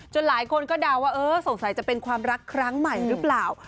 หลายคนก็เดาว่าเออสงสัยจะเป็นความรักครั้งใหม่หรือเปล่า